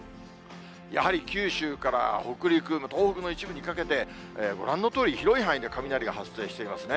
やはり九州から北陸、東北の一部にかけて、ご覧のとおり、広い範囲で雷が発生していますね。